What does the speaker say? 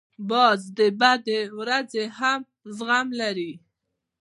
باز د بدې ورځې هم زغم لري